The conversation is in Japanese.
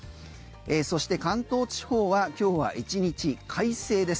そして関東地方は今日は１日快晴です。